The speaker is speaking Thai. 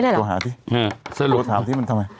ดูแลนะตัวหามันทำไม